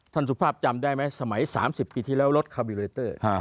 สุภาพจำได้ไหมสมัย๓๐ปีที่แล้วรถคาบิเรเตอร์